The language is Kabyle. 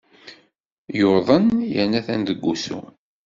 Yuḍen yerna atan deg wusu.